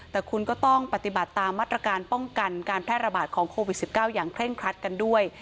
แต่คุณก็ต้องปฏิบัติตามมาตรการป้องกันการแพร่ระบาดของโควิด๑๙อย่างเคร่งครัดกันด้วย